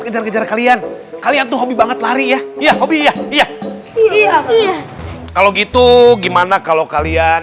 kejar kejar kalian kalian tuh hobi banget lari ya iya hobi iya iya iya kalau gitu gimana kalau kalian